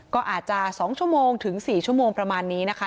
ก็อาจจะ๒๔ชั่วโมงประมาณนี้นะคะ